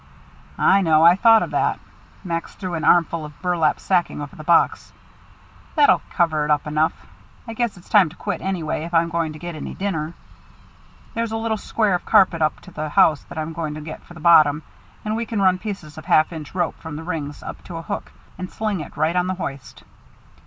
"I know. I thought of that." Max threw an armful of burlap sacking over the box. "That'll cover it up enough. I guess it's time to quit, anyway, if I'm going to get any dinner. There's a little square of carpet up to the house that I'm going to get for the bottom, and we can run pieces of half inch rope from the rings up to a hook, and sling it right on the hoist."